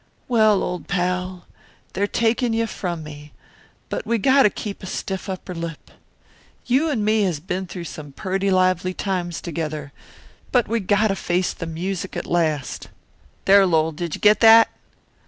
"Well, old pal, they're takin' yuh from me, but we got to keep a stiff upper lip. You an' me has been through some purty lively times together, but we got to face the music at last there, Lowell, did you get that?"